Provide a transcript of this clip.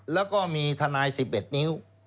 แล้วก็มีทนาย๑๑นิ้ว